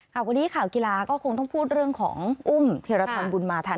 วันนี้ข่าวกีฬาก็คงต้องพูดเรื่องของอุ้มธีรทรบุญมาทัน